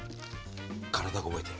体が覚えてる。